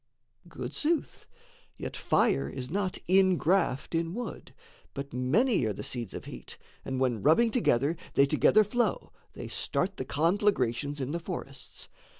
Good sooth yet fire is not ingraft in wood, But many are the seeds of heat, and when Rubbing together they together flow, They start the conflagrations in the forests.